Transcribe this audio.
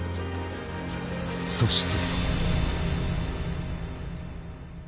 ［そして］